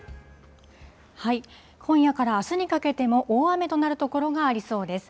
今夜からあすにかけても、大雨となる所がありそうです。